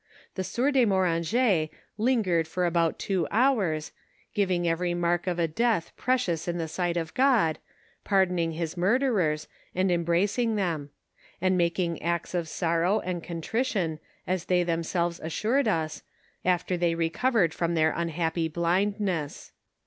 The sieur de Moranget lingered for about two hours, giving every mark of a death precious in the sight of God, pardoning his murderers, and embracing them; and making acts of sorrow ^nd contrition, as they themselves assured us, after they recovered from their unhap py blindness.